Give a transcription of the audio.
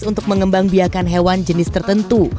untuk mengembang biakan hewan jenis tertentu